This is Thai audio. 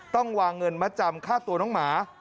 ต้องวางเงินมาจำค่าตัวน้องหมา